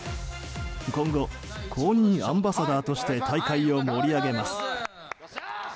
今後、公認アンバサダーとして大会を盛り上げます。